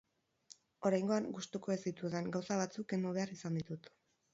Oraingoan, gustuko ez ditudan gauza batzuk kendu behar izan ditut.